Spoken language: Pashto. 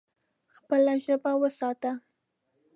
خپله ژبه وساته.